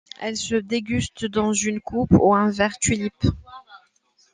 Elle se déguste dans une coupe ou un verre tulipe.